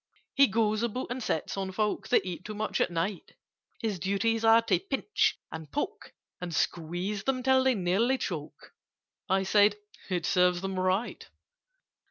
"He goes about and sits on folk That eat too much at night: His duties are to pinch, and poke, And squeeze them till they nearly choke." (I said "It serves them right!")